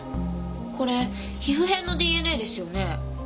これ皮膚片のＤＮＡですよね。